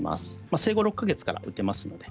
生後６か月から打てますので。